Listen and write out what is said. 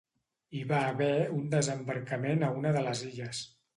Hi va haver un desembarcament a una de les illes.